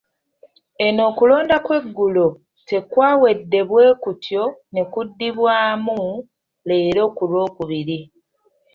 Eno okulonda kw’eggulo tekwawedde bwe kutyo ne kuddibwamu leero ku Lwokubiri.